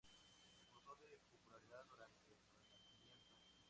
Gozó de popularidad durante el Renacimiento.